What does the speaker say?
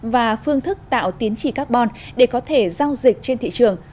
và phương thức tạo tiến trị carbon để có thể giao dịch trên thị trường